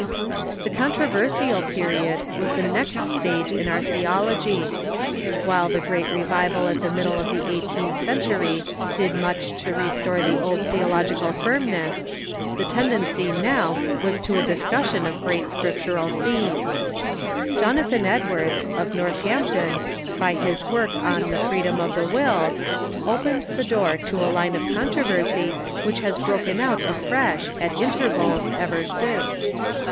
The Controversial Period was the next stage in our theol ogy. While the great revival at the middle of the eighteenth century did much to restore the old theological ^Conlmversy" ^I'l^^^ss, the tendency now was to a discussion of great Scriptural themes. Jonathan Edwards, of Xorthanipton, by his work on " The Freedom of the Will," opened the door to a line of controversy which has broken out afresh, at intervals, ever since.